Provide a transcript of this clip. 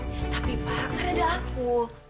tapi pak gak ada aku